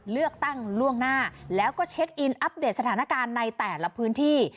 เลือกตั้งล่วงหน้าแล้วก็เช็คอินอัปเดตสถานการณ์ในแต่ละพื้นที่